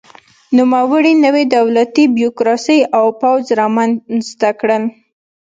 نوموړي نوې دولتي بیروکراسي او پوځ رامنځته کړل.